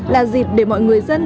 là dịp để mọi người dân